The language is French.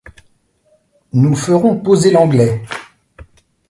Nous ferons poser l’Anglais